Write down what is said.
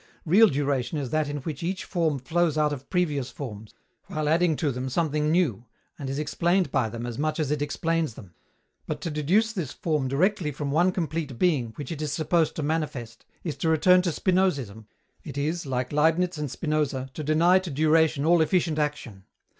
Real duration is that in which each form flows out of previous forms, while adding to them something new, and is explained by them as much as it explains them; but to deduce this form directly from one complete Being which it is supposed to manifest, is to return to Spinozism. It is, like Leibniz and Spinoza, to deny to duration all efficient action.